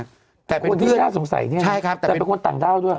คนที่ยากสงสัยเนี่ยแต่เป็นคนต่างด้าวด้วย